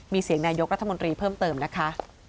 มีเสียงนายกรัฐมนตรีเพิ่มเติมนะคะ